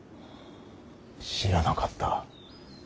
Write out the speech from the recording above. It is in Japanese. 知らなかった。